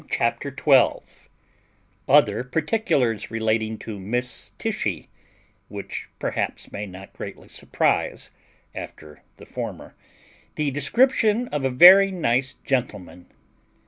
CHAPTER TWELVE OTHER PARTICULARS RELATING TO MISS TISHY, WHICH PERHAPS MAY NOT GREATLY SURPRISE AFTER THE FORMER. THE DESCRIPTION OF A VERY FINE GENTLEMAN.